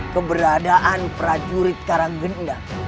keberadaan prajurit karagenda